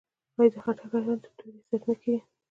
آیا د خټک اتن د تورې سره نه کیږي؟